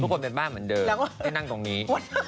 คนเป็นบ้านเหมือนเดิมได้นั่งตรงนี้